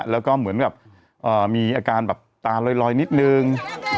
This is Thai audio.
แล้วก็เหมือนแบบมีอาการแบบตาลอยนิดนึง